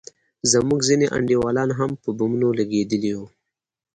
زموږ ځينې انډيوالان هم په بمونو لگېدلي وو.